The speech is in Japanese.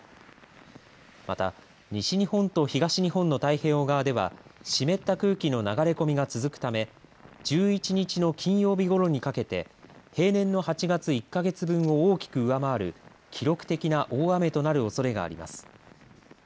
また、西日本と東日本の太平洋側では湿った空気の流れ込みが続くため１１日の金曜日ごろにかけて平年の８月１か月分を大きく上回る記録的な大雨となるおそれがあります。